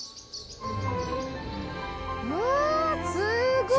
わすごい！